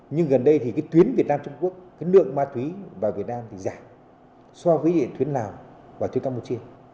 nhưng gần đây thì cái tuyến việt nam trung quốc cái lượng ma túy vào việt nam thì giảm so với cái tuyến nào vào tuyến campuchia